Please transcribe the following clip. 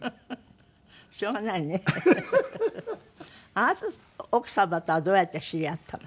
あなた奥様とはどうやって知り合ったの？